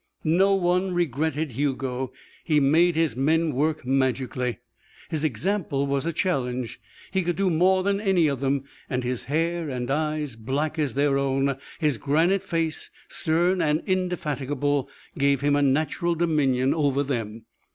No one regretted Hugo. He made his men work magically; his example was a challenge. He could do more than any of them, and his hair and eyes, black as their own, his granite face, stern and indefatigable, gave him a natural dominion over them.